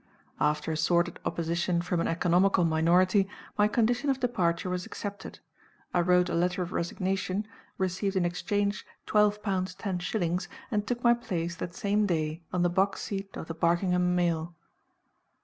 After a sordid opposition from an economical minority, my condition of departure was accepted. I wrote a letter of resignation, received in exchange twelve pounds ten shillings, and took my place, that same day, on the box seat of the Barkingham mail.